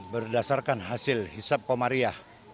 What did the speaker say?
berdasarkan hasil hisap komaria